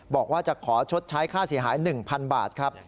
บอกว่าจะขอชดใช้ค่าเสียหาย๑๐๐๐บาทครับ